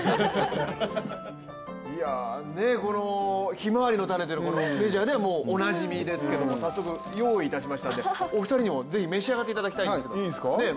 ひまわりの種というのはメジャーでもおなじみですけども、早速用意しましたのでお二人にも是非召し上がっていただきたいんですけれども。